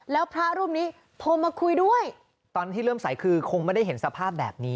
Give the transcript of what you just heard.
แล้วพระรูปนี้โทรมาคุยด้วยตอนที่เริ่มใส่คือคงไม่ได้เห็นสภาพแบบนี้